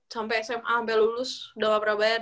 sampai sma sampai lulus udah gak pernah bayar